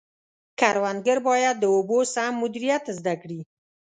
کروندګر باید د اوبو سم مدیریت زده کړي.